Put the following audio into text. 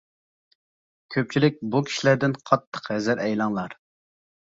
كۆپچىلىك بۇ كىشىلەردىن قاتتىق ھەزەر ئەيلەڭلار.